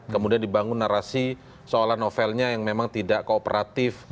kemudian dibangun narasi soalan novelnya yang memang tidak kooperatif